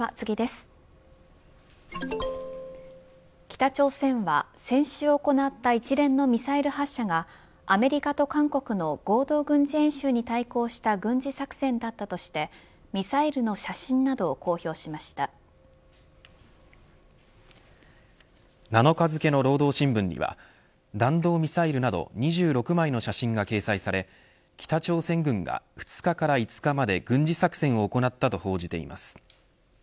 北朝鮮は、先週行った一連のミサイル発射がアメリカと韓国の合同軍事演習に対抗した軍事作戦だったとしてミサイルの写真などを７日付の労働新聞には弾道ミサイルなど２６枚の写真が掲載され北朝鮮軍が２日から５日まで軍事作戦を行ったと報じています。